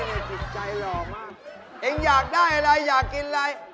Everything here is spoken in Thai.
จิตใจหล่อมากเองอยากได้อะไรอยากกินอะไร